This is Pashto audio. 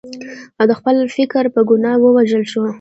او د خپل فکر په ګناه ووژل شو.